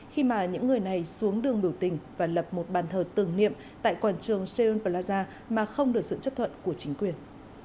khi mà những người này xuống đường biểu tình và lập một bàn thờ tưởng niệm tại quảng trường seoul plaza mà không được sự chấp thuận của chính quyền